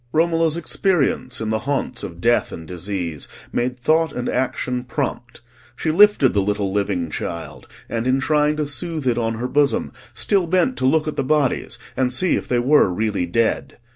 Romola's experience in the haunts of death and disease made thought and action prompt: she lifted the little living child, and in trying to soothe it on her bosom, still sent to look at the bodies and see if they were really dead.